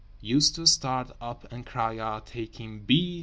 _")—used to start up and cry out, taking B.